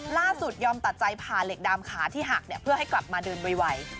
หน้าสุดยอมตัดใจผ่าเหล็กดามขาที่หักเนี่ยเพื่อให้กลับมาเดินไว